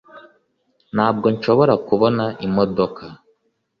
Ntabwo nshobora kubona imodoka.